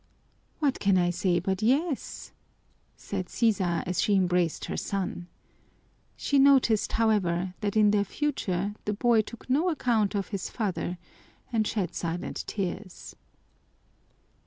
"What can I say but yes?" said Sisa as she embraced her son. She noted, however, that in their future the boy took no account of his father, and shed silent tears.